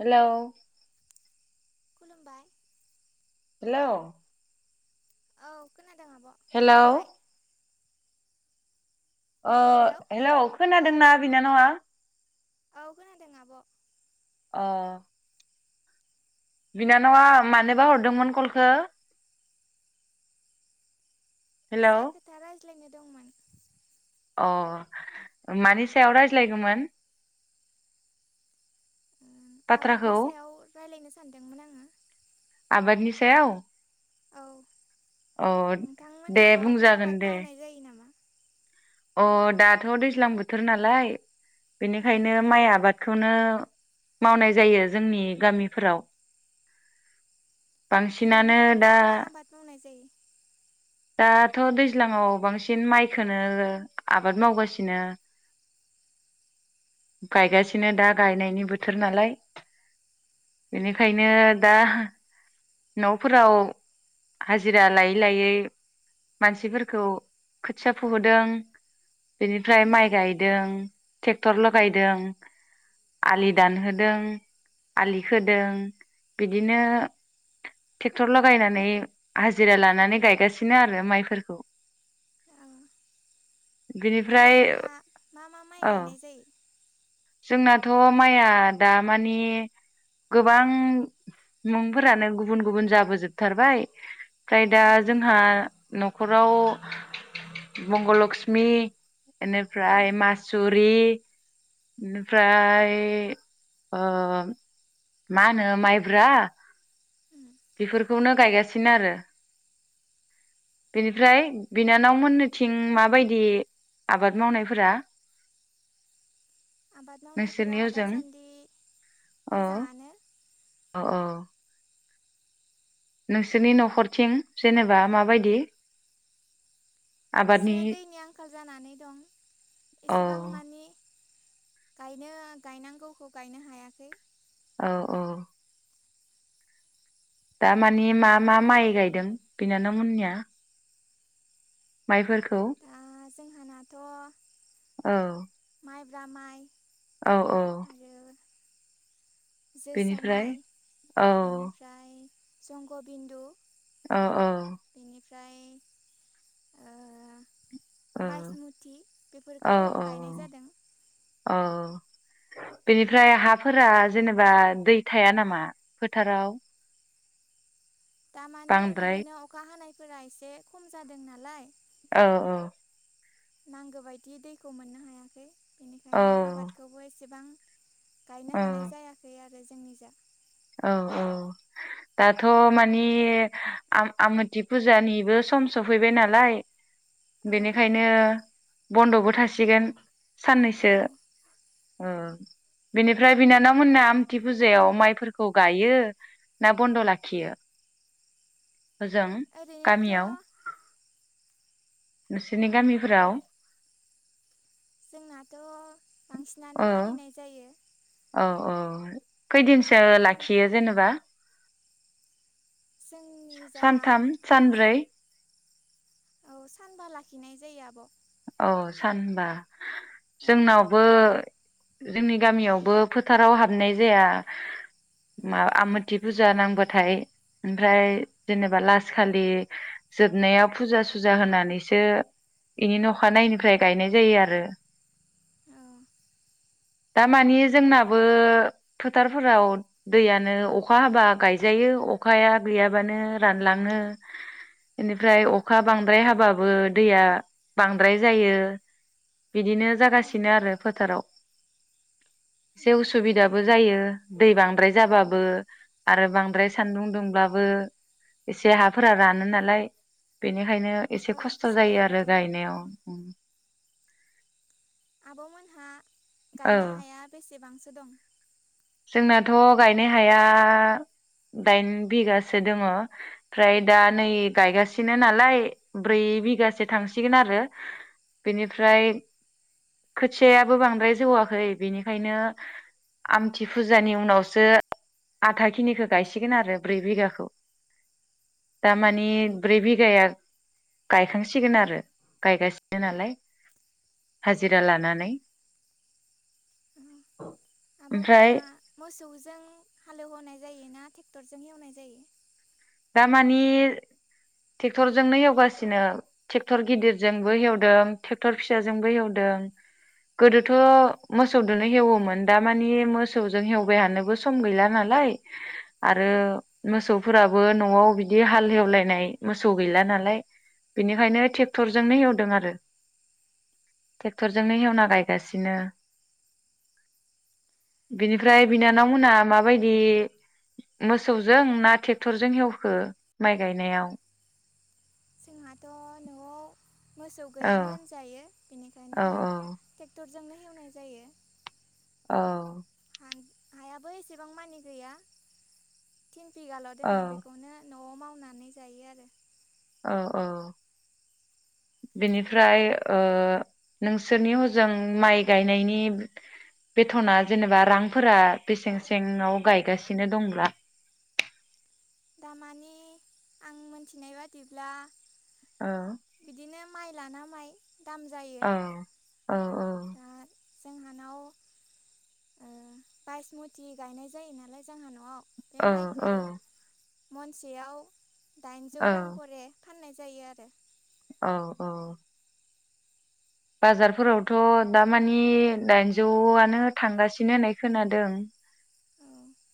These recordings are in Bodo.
हेलौ खुलुमबाय हेलौ औ खोना दों आब' हेलौ खुलुमबाय ओ हेलौ खोना दोंना बिनानावा [inaudible] अ बिनानावा मानोबा हरदोंमोन कलखो एसे खोथा राय ज्लायनो दंमोन अ मानि सायाव रायज्लायगौमोन उम आबादनि बाथ्राखौ सायाव रायलायनोसै सानदोंमोन आङो आबादनि सायाव औ अ नोंथां दे मोनहा माबाफोर बुंजागोन आबाद दे मावनाय जायो नामा अ दाथ' दैज्लां बोथोर नालाय औ बेनिखायनो माइ आबाद खौनो मावनाय जायो जोंनि गामिफोराव बांसिनानो ओरैनो दा मा मा आबाद मावनाय जायो दाथ' दैज्लाङाव बांसिन माइखौ आबाद मावगासिनो गायगासिनो दा गायनायनि बोथोर नालाय बेनिखायनो दा न'फोराव हाजिरा लायै लायै मानसिफोरखौ खोथिया फोहोदों बेनिफ्राय उम माइ गायदों ट्रेक्टर लगायदों आलि दानहोदों आलि खोदों बिदिनो ट्रेक्टर लगायनानै हाजिरा लानानै गायगासिनो आरो माइफोरखौ औ बिनिफ्राय आब'मोनहा मा मा माइ गायनाय जायो थ' माइया दा माने गोबां मुं फोरानो गुबुन गुबुन जाबो जोबथारबाय ओमफ्राय दा औ जोंहा न' खराव मंग लक्ष्मि उम इबेनिफ्राय मासुरि बेनिफ्राय ओ मा होनो माइब्रा उम बेफोरखौनो गायगासिनो आरो बेनिफ्राय बिनानावमोननिथिं माबायदि आबाद मावनायफोरा आबाद मावनायफोरा नोंसोरनि ओजों दासानदि औ मोजाङानो औ नोंसोरनि न'खरथिं जेनेबा माबायदि आबादनि एसे दैनि आंखाल जानानै दं औ एसेबां मानि गायनो गायनांगौखौ गायनो हायाखै औ औ दा माने मा मा माइ गायदों बिनानावमोननिया माइफोर दा जोंहानाथ' औ माइ ब्रा माइ औ औ आरो जोसा बेनिफ्राय माइ औ बेनिफ्राय संग'बिनन्दु अ अ बिनि औ बासमुथि औ बेफोरखौ औ गायनाय जादों औ बेनिफ्राय हाफोरा जेनेबा दै थाया नामा फोथाराव दामाने बांद्राय बिदिनो अखा हानाय फोरा एसे खम जादों नालाय औ औ नांगौ बायदि दैखौ मोननो हायाखै औ बेनिखायनो आबादखौबो एसेबां गायनो औ हानाय जायाखै आरो जोंनि जा औ औ दाथ' मानि आम-आमोथि फुजानिबो सम सफैबाय नालाय औ बेनिखायनो बन्द'बो थासिगोन साननैसो औ उम बिनिफ्राय बिनानाव मोनना आमथि फुजायाव माइफोर खौ गायो ना बन्द' लाखियो ओजों ओरैनोथ' गामियाव नोंसोरनि गामिफोराव जोंनाथ' बांसिनानो मानिनाय जायो अ अ खैदिनसो थेवबो लाखियो जेनेबा जोंनि जा सानथाम सानब्रै औ सानबा लाखिनाय जायो आब' अ सानबा जोंनावबो जोंनि गामियावबो फोथाराव हाबनाय जाया मा आमथि फुजा नांबाथाय ओमफ्राय जेनेबा लास खालि जोबनायाव फुजा सुजा होनानैसो इनि नख खानायैनिफ्राय गायनाय जायो आरो औ दामानि जोंनाबो फोथारफोराव दैयानो अखा हाबा गायजायो अखाया गैयाबानो रानलाङो इनिफ्राय अखा बांद्राय हाबाबो दैया बांद्राय जायो बिदिनो औ जागासिनो आरो फोथाराव एसे औ उसुबिदाबो जायो दै बांद्राय जाबाबो आरो बांद्राय सानदुं दुंब्लाबो एसे हाफोरा रानो नालाय बेनि ओंखायनो एसे औ खस्थ' जायो आरो बिदिनो गायनायाव [inaudible] मोन हा औ गायनो हाया बेसेबांसो सो दं जोंनाथ' गायनाय हाया दाइन बिगासो दङ ओमफ्राय दा नै गायगासिनो नालाय ब्रै बिगासो थांसिगोन आरो बेनिफ्राय खोथियायाबो बांद्राय जौवाखै बेनिखायनो आम थि फुजानि उनावसो आथा खिनिखौ गायसिगोन आरो ब्रै बिगाखौ दामानि ब्रै बिघाया गायखांसिगोन आरो गायगासिनो नालाय हाजिरा लानानै ओमफ्राय आब'मोनहा मोसौजों हालेवहोनाय जायो ना टेक्टरजों एवनाय जायो दा मानि टेक्टरजोंनो एवगासिनो टेक्टर गिदिरजोंबो एवदों टेक्टर फिसाजोंबो हेवदों गोदोथ' मोसौदोनो हेवोमोन दामानि मोसौजों हेवबायहानोबो सम गैला नालाय औ आरो मोसौ फोराब बो न'आव बिदि हाल एवलायनाय मोसौ गैला नालाय बेनिखायनो टेक्टरजोंनो हेवदों आरो टेक्टरजोंनो हेवना गायगासिनो बिनिफ्राय बिनानाव मोना माबायदिमोसौजों ना थे टरजों हेवखो माइ गायनायाव जोंहाथ' न'आव मोसौ औ गैयानो होनजायो औ औ जोंनो एवनाय जायो औ हायाबो एसेबां मानि गैया तिन बिगाल' औ दोङो बेखौनो न'आव मावनानै जायो आरो औ औ बेनिफ्राय ओ नोंसोरनि हजों माइ गायनायनि बेथ'ना जेनेबा रांफोरा बेसें सेङाव गायगासिनो दंब्रा दामानि आं मोनथिनाय बादिब्ला ओ बिदिनो माइ लाना माइ दाम जायो औ औ औ दा जोंहानाव ओ बायस मुथि गायनाय जायो नालाय जोंहा न'आव बे औ माइखौ औ मनसेयाव दाइनजौ औ रांखरे फाननाय जायो आरो औ औ बाजारफोरावथ' दामानि दाइनजौआनो थांगासिनो होननाय खोनादों औ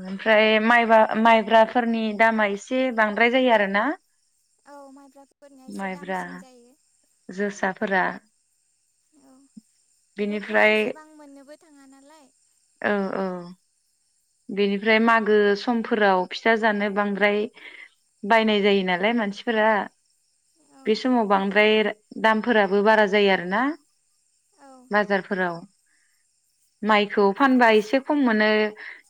ओमफ्राय माइबा माइब्राफोरनि दामा एसे बांद्राय जायो आरोना औ माइब्राफोरनिया एसे माइब्रा दामसिन जायो जोसाफोरा औ बेफोरखौ बेनिफ्राय एसेबां मोननोबो थाङा नालाय औ औ बेनिफ्राय मागो समफोराव फिथा जानो बांद्राय बायनाय जायो नालाय मानसिफोरा औ बे समाव बांद्राय दामफोराबो बारा जायो आरोना? औ बाजारफोराव माइखौ फानबा एसे खम मोनो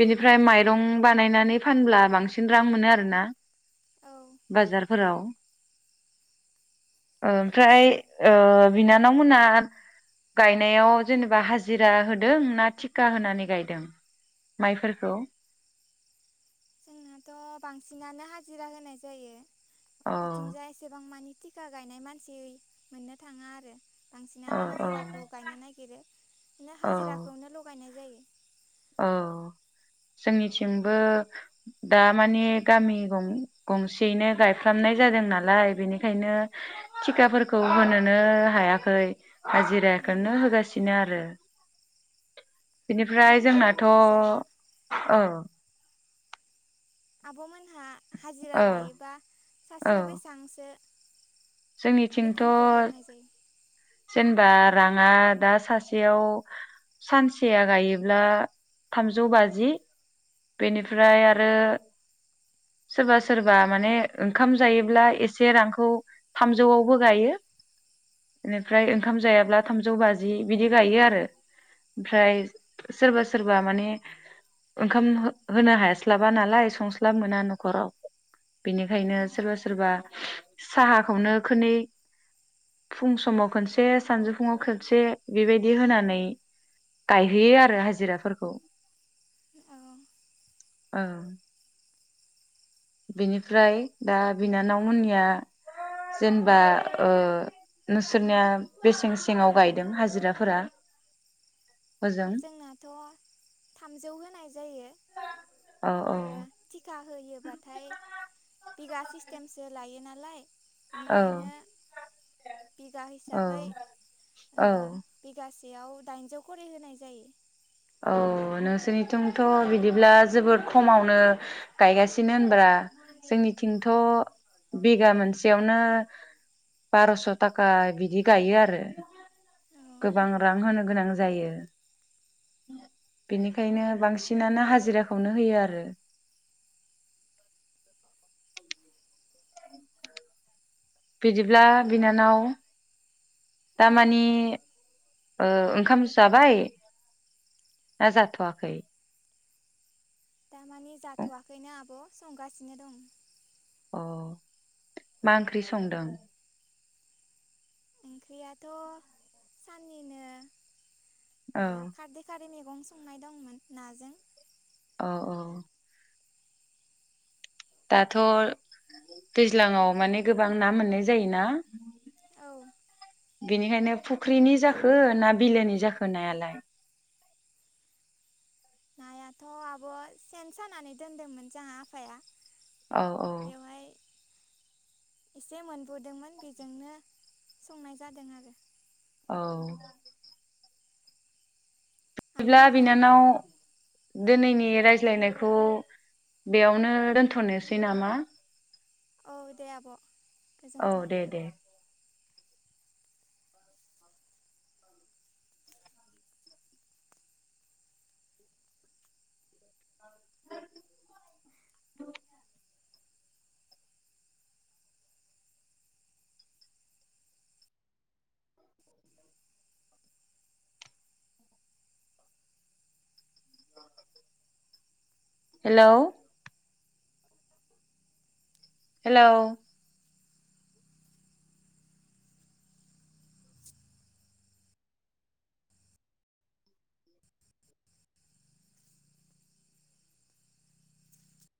बेनिफ्राय माइरं बानायनानै फानब्ला बांसिन रां मोनो आरोना? औ बाजारफोराव ओमफ्राय ओ बिनानावमोना गायनायाव जेनेबा हाजिरा हो दों ना थिखा होनानै गायदों माइफोरखौ? जोंनाथ बांसिनानो हाजिरा होनाय जायो। औ बिथिंजाय एसेबां मानि थिखा गायनाय मानसि मोननो थाङा आरो। औ बांसिनानो औ हाजिराखौ गायनो नागिरो बिदिनो औ हाजिराखौनो लगायनाय जायो। औ जोंनिथिंबो दा‌माने गामि गं गंसेयैनो गायफ्रामनाय जादों नालाय। बेनिखायनो थिखाफोरखौ होनोनो हायाखै उम हाजिराखोनो होगासिनो आरो। बिनिफ्राय जोंनाथ आब'मोननि जा औ आब'मोन हा हाजिरा लायोबा औ सासेयाव बेसांसो जोंनिथिंथ जायो जेनेबा राङा दा सासेयाव सानसेया गायोब्ला थामजौ बाजि औ बेनिफ्राय आरो सोरबा सोरबा माने ओंखाम जायोब्ला एसे रांखौ थामजौआवबो गायो। बेनिफ्राय ओंखाम जायाब्ला थामजौ बाजि बिदि गायो आरो। ओमफ्राय सोरबा सोरबा माने ओंखाम होनो हास्लाबा नालाय संस्लाब मोना नखराव। बेनिखायनो औ सोरबा सोरबा साहाखौनो खोननै फुं समाव खनसे सानजौफुङाव खनसे बेबायदि होनानै गायहैयो आरो हाजिराफोरखौ। औ औ बिनिफ्राय दा बिनानाव मोननिया जेनबा ओ नोंसोरनिया बेसें सेङाव गायदों हाजिराफोरा? हजों जोंनाथ थामजौ होनाय जायो औ औ आरो थिका होयोबाथाय बिगा सिस्टेमसो लायो नालाय। औ बेनिखायनो बिगा औ हिसाबै ओ औ बिगासे याव दाइनजौ खरि होनाय जायो। औ नोंसोरनिथिंथ बिदिब्ला जोबोद खमावनो गायगासिनो होनब्रा जोंनिथिंथ बिगा मोनसेयावनो बारस ताका बिदि गायो आरो औ गोबां रां होनो गोनां जायो। बेनिखायनो बांसिनानो हाजिराखौनो होयो आरो। बिदिब्ला बिनानाव औ दामानि ओ ओंखाम जाबाय ना जाथवाखै? दामाने जाथवाखैनो आब' संगासिनो दं। अ मा ओंख्रि संदों? इंख्रियाथ साननिनो औ। मैगं-संनाय दंमोन नाजों औ औ। दाथ' दैज्लाङाव माने गोबां ना मोननाय जायोना। औ। बेनिखायनो फुख्रिनि जाखो ना बिलोनि जाखो नायालाय? नायाथ' आब' सेन सानानै दोनदोंमोन जोंहा आफाया औ औ। बेवहाय एसे मोनबोदोंमोन बेजोंनो संनाय जादों आरो। औ। बिदिब्ला आब'मोनहा बिनानाव दिनैनि रायज्लायनायखौ बेयावनो दोनथ'नोसै नामा? औ दे आब' औ गोजोन्थों। दे दे। [unintelligible] [inaudible] Hello hello.